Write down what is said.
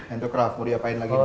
hand to craft mau diapain lagi